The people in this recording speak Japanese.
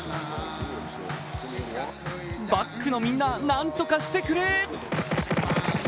バックのみんな、何とかしてくれ。